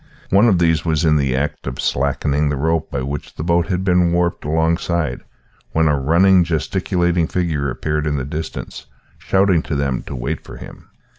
One of these was in the act of slackening the rope by which the boat had been warped alongside, when a running, gesticulating figure appeared in the distance, shouting to them to wait for him.